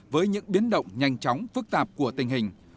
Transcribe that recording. với những biến động nhanh chóng phức tạp của tình hình